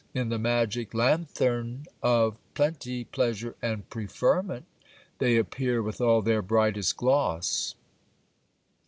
In the magic lanthorn of plenty, pleasure, and preferment, they appear with all their brightest gloss.